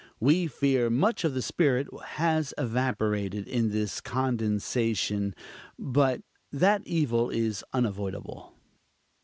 We fear much of the spirit has evaporated in this condensation; but that evil is unavoidable.